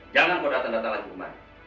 jangan kau datang datang lagi kembali